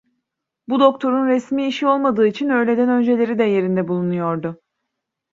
Bu doktorun resmi işi olmadığı için öğleden önceleri de yerinde bulunuyordu.